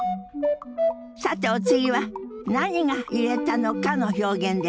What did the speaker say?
さてお次は何が揺れたのかの表現です。